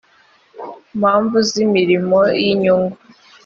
mpamvu z imirimo y inyungu